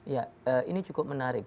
ya ini cukup menarik